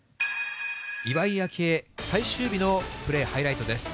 岩井明愛、最終日のプレーハイライトです。